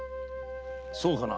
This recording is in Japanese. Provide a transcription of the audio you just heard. そうかな。